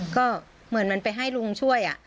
ก็เหมือนมันไปให้ลุงช่วย